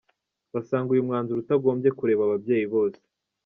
Basanga uyu mwanzuro utagombye kureba ababyeyi bose.